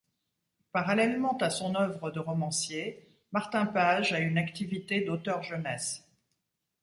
Parallèlement à son œuvre de romancier, Martin Page a une activité d'auteur jeunesse.